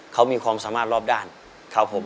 เขามีความสามารถรอบด้านครับผม